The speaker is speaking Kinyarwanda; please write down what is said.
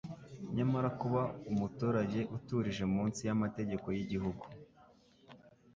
Nyamara kuba umuturage uturije munsi y'amategeko y'igihugu